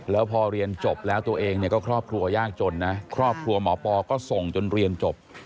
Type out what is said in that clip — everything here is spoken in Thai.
แล้วพอเรียนจบแล้วตัวเองเนี่ยก็ครอบครัวยากจนนะครอบครัวหมอปอก็ส่งจนเรียนจบ